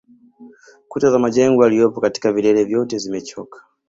Kuta za majengo yaliyopo katika vilele vyote zimechoka